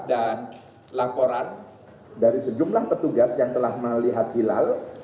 dan laporan dari sejumlah petugas yang telah melihat hilang